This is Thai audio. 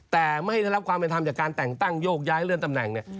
แต่ไม่ได้รับความเป็นธรรมจากการแต่งตั้งโยกย้ายเลื่อนตำแหน่งเนี่ย